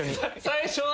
最初。